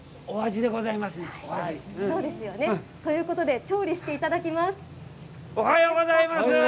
おはようございます。